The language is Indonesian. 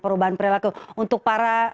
perubahan perilaku untuk para